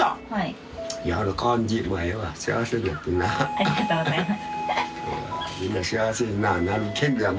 ありがとうございます。